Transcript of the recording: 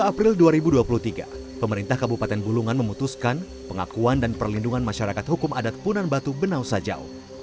dua puluh april dua ribu dua puluh tiga pemerintah kabupaten bulungan memutuskan pengakuan dan perlindungan masyarakat hukum adat punan batu benau sajau